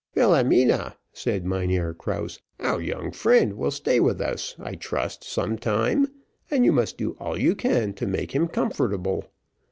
"Wilhelmina," said Mynheer Krause, "our young friend will stay with us, I trust, some time, and you must do all you can to make him comfortable.